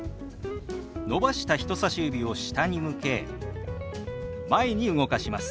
伸ばした人さし指を下に向け前に動かします。